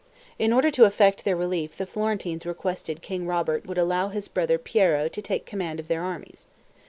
In order to effect their relief the Florentines requested King Robert would allow his brother Piero to take the command of their armies.